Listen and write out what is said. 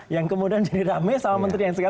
yang kemudian jadi rame sama menteri yang sekarang